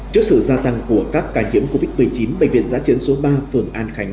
trước sự gia tăng của các ca nhiễm covid một mươi chín bệnh viện giã chiến số ba phường an khánh